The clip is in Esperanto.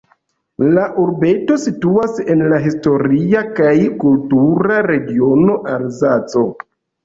La urbeto situas en la historia kaj kultura regiono Alzaco.